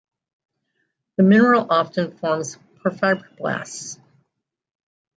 The mineral often forms porphyroblasts.